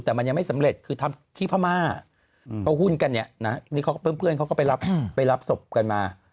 แต่มันยังไม่สำเร็จคือที่พม่าพ่อหุ้นกันเนี่ยเพื่อนเขาไปรับสมัครกันมา